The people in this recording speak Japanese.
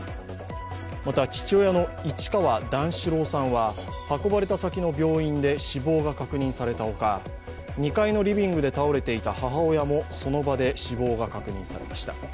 また、父親の市川段四郎さんは運ばれた先の病院で死亡が確認されたほか、２階のリビングで倒れていた母親もその場で死亡が確認されました。